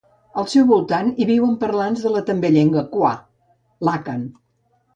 Al seu voltant hi viuen parlants de la també llengua kwa, l'àkan.